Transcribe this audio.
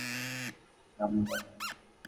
তুই সামলা এটা।